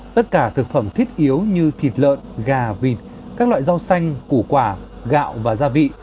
tất cả thực phẩm thiết yếu như thịt lợn gà vịt các loại rau xanh củ quả gạo và gia vị